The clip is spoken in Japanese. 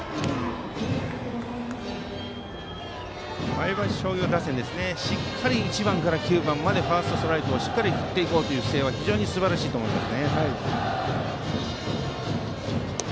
前橋商業打線は１番から９番までファーストストライクをしっかり振っていこうという姿勢は非常にすばらしいです。